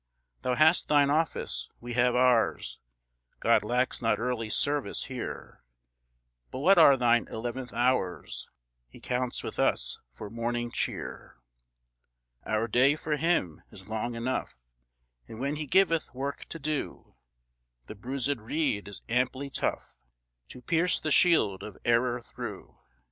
Thou hast thine office; we have ours; God lacks not early service here, But what are thine eleventh hours He counts with us for morning cheer Our day, for Him, is long enough, And when he giveth work to do, The bruisèd reed is amply tough To pierce the shield of error through.